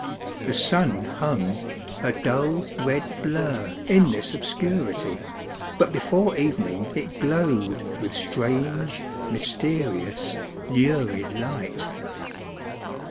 The sun hung, a dull red blur in this obscurity ; but before evening it glowed with strange, mysterious, lurid light.